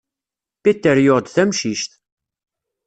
Peter yuɣ-d tamcict.